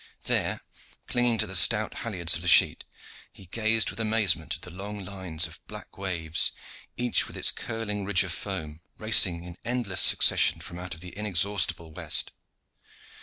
There, clinging to the stout halliards of the sheet, he gazed with amazement at the long lines of black waves, each with its curling ridge of foam, racing in endless succession from out the inexhaustible west.